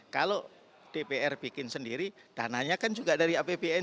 kalau dpr bikin sendiri dananya kan juga dari apbn